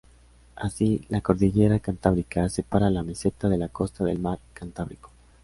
Así, la cordillera Cantábrica separa la meseta de la costa del mar Cantábrico.